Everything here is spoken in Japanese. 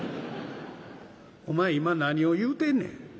「お前今何を言うてんねん」。